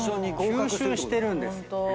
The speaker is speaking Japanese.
吸収してるんですよ。